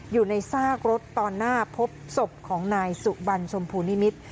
อยู่ในซากรถตอนหน้าพบศพของนายสุบันชมพูนิมิตร